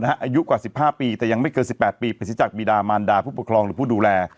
อายุกว่า๑๕ปีแต่ยังไม่เกิน๑๘ปีปริศักดิดามานดาผู้ปกครองหรือผู้ดูแล